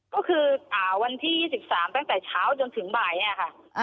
ก็คือวันที่๒๓ตั้งแต่เช้าจนถึงบ่ายค่ะ